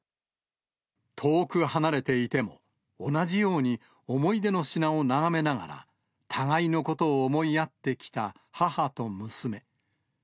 遠く離れていても、同じように思い出の品を眺めながら、互いのことを思いやってきた母と娘。